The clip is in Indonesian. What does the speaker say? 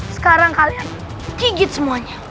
sekarang kalian kigit semuanya